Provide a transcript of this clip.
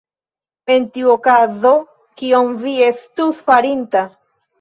En tiu okazo, kion vi estus farinta?